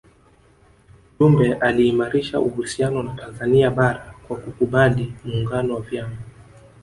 Jumbe aliimarisha uhusiano na Tanzania bara kwa kukubali maungano ya vyama